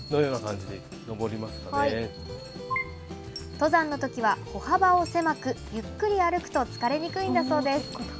登山の時は歩幅を狭くゆっくり歩くと疲れにくいんだそうです。